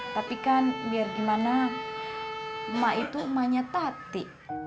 tapi kan biar gimana emak itu emaknya tati